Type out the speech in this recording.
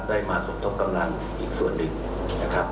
ได้มาสมทบกำลังอีกส่วนหนึ่งนะครับ